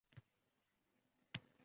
Ikkala toshniyam Bobotog’dagi